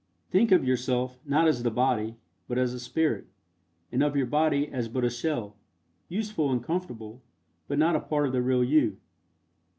Think of yourself, not as the body, but as a spirit, and of your body as but a shell, useful and comfortable, but not a part of the real You.